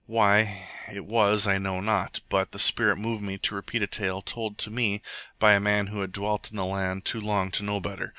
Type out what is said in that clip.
Why it was I know not, but the spirit moved me to repeat a tale told to me by a man who had dwelt in the land too long to know better.